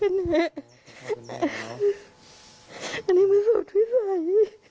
อันนี้คือสุดวิศัย